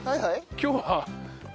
今日は。